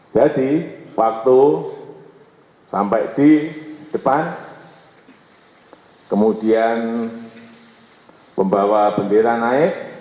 jadi waktu sampai di depan kemudian pembawa bendera naik